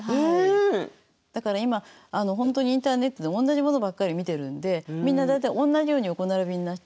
だから今本当にインターネットでおんなじものばっかり見てるんでみんな大体おんなじように横並びになっちゃう。